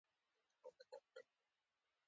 د غسل فرضونه درې دي.